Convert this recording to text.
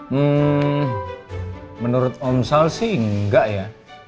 hmm menurut omsal sih enggak ya